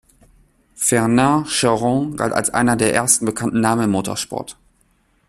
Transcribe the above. Fernand Charron galt als einer der ersten bekannten Namen im Motorsport.